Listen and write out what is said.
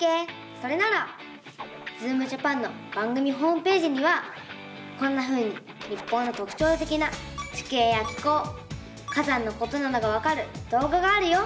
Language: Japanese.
それなら「ズームジャパン」の番組ホームページにはこんなふうに日本のとくちょうてきな地形や気候火山のことなどがわかるどうががあるよ！